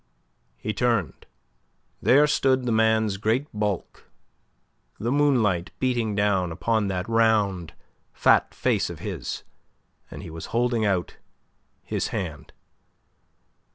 He turned. There stood the man's great bulk, the moonlight beating down upon that round fat face of his, and he was holding out his hand.